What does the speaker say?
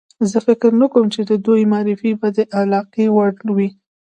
زه فکر نه کوم چې د دوی معرفي به د علاقې وړ وي.